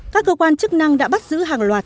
các cơ quan chức năng đã bắt giữ hàng loạt